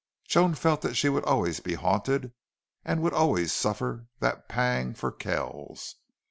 Joan felt that she would always be haunted and would always suffer that pang for Kells.